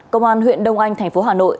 công an huyện đông anh tp hà nội